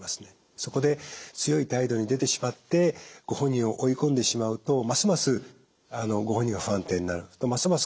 そこで強い態度に出てしまってご本人を追い込んでしまうとますますご本人は不安定になるますます